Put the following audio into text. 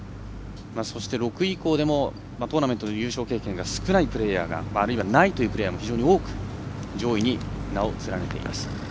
そして、６位以降でもトーナメントでの優勝経験が少ないプレーヤーがあるいはないというプレーヤーも多く上位に名を連ねています。